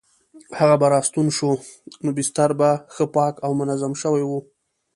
هغه به راستون شو نو بستر به ښه پاک او منظم شوی وو.